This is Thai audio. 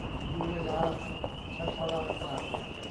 ดูเวลา ชายชรากล่าว